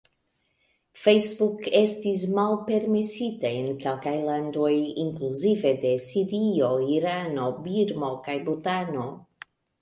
Facebook estis malpermesita en kelkaj landoj, inkluzive de Sirio, Irano, Birmo kaj Butano.